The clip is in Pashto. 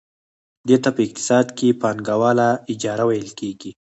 دې ته په اقتصاد کې پانګواله اجاره ویل کېږي